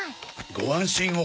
ご安心を。